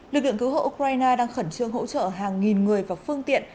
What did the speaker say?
lực lượng cứu hộ ukraine đang khẩn trương hỗ trợ hàng nghìn người và phương tiện